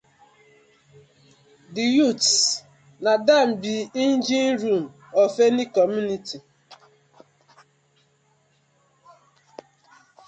Di youths na dem bi di engine room of any community.